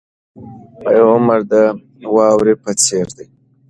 عمر د واورې په څیر دی.